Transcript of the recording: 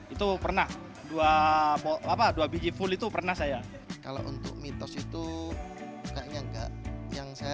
itu pernah dua apa dua biji full itu pernah saya kalau untuk mitos itu kayaknya enggak yang saya